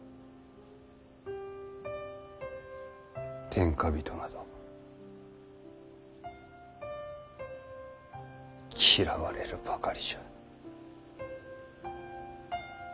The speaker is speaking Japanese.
天下人など嫌われるばかりじゃ。